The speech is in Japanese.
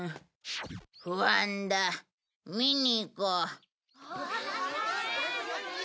不安だ見に行こう。